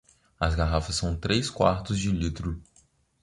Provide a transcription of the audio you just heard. As garrafas são três quartos de litro.